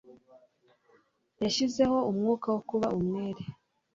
Yashyizeho umwuka wo kuba umwere.